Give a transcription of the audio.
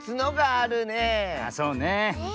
ああそうねえ。